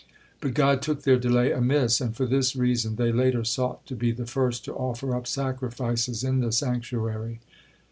But God took their delay amiss, and for this reason they later sought to be the first to offer up sacrifices in the sanctuary.